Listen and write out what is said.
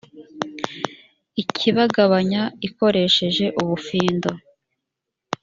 ikibagabanya ikoresheje ubufindo